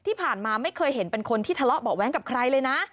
ที่ผ่านมาไม่เคยเห็นเป็นคนที่ทะเลาะเบาะแว้งกับใครเลยนะ